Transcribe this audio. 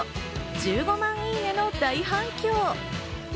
１５万いいねの大反響。